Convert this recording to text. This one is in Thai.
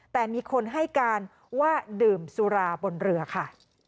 แต่มีคนให้การว่าดื่มสุราบนเรือค่ะ